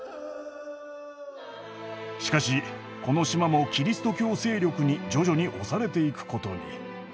しかしこの島もキリスト教勢力に徐々に押されていくことに。